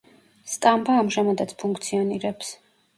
სტამბა ამჟამადაც ფუნქციონირებს.